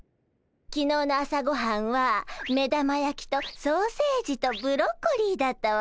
きのうの朝ごはんは目玉焼きとソーセージとブロッコリーだったわ。